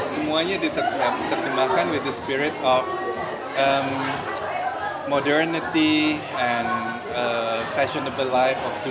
semuanya ditetapkan dengan spirit modernitas dan kehidupan yang fasionabel hari ini